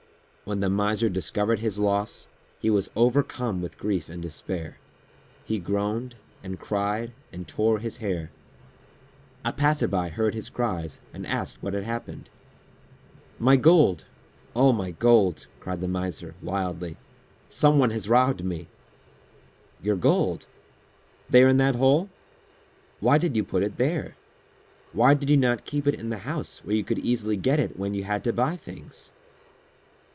When the Miser discovered his loss, he was overcome with grief and despair. He groaned and cried and tore his hair. A passerby heard his cries and asked what had happened. "My gold! O my gold!" cried the Miser, wildly, "someone has robbed me!" "Your gold! There in that hole? Why did you put it there? Why did you not keep it in the house where you could easily get it when you had to buy things?"